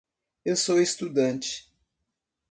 Eu sou estudante.